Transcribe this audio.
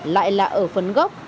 lại là ở phấn gốc